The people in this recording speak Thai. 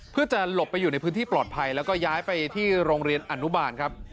เพื่อจะหลบไปอยู่ในพื้นที่ปลอดภัยแล้วก็ย้ายไปที่โรงเรียนอนุบาลครับ